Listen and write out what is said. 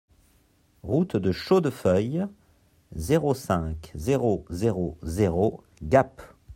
Route de Chaudefeuille, zéro cinq, zéro zéro zéro Gap